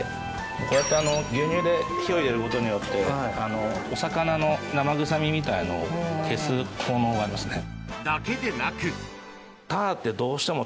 こうやって牛乳で火を入れることによってお魚の生臭みみたいのを消す効能がありますね。